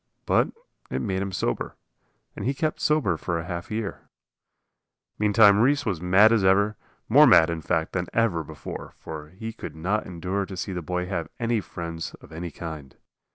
But it made him sober, and he kept sober for half a year. Meantime Reese was mad as ever, more mad, in fact, than ever before. For he could not endure to see the boy have any friends of any kind.